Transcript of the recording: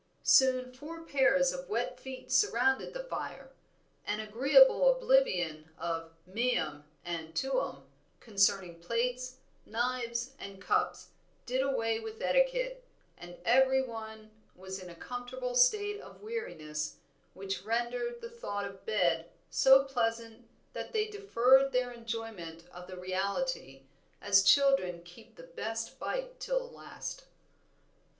Soon four pairs of wet feet surrounded the fire; an agreeable oblivion of meum and tuum concerning plates, knives, and cups did away with etiquette, and every one was in a comfortable state of weariness, which rendered the thought of bed so pleasant that they deferred their enjoyment of the reality, as children keep the best bite till the last.